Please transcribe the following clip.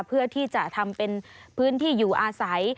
เพื่อที่จะทำเป็นพื้นที่อยู่อาศัย